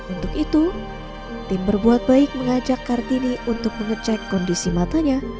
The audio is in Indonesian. untuk itu tim berbuat baik mengajak kartini untuk mengecek kondisi matanya